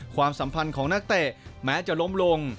ความสัมพันธ์ของนักเตะแม้จะล้มลง